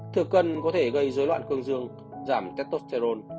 thừa cân có thể gây dối loạn cương dương giảm cartosterol